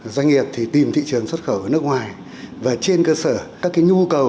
doanh nghiệp thì tìm thị trường xuất khẩu ở nước ngoài và trên cơ sở các cái nhu cầu